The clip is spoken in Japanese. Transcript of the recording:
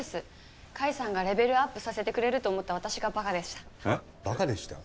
甲斐さんがレベルアップさせてくれると思った私が馬鹿でした。